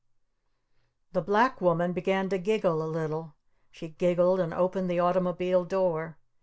The Black Woman began to giggle a little. She giggled and opened the automobile door.